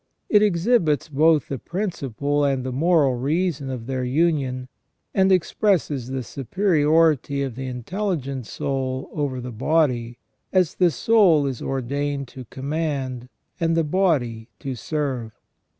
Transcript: It exhibits both the principle and the moral reason of their union, and expresses the superiority of the intelligent soul over the body, as the soul is ordained to command and the body to serve."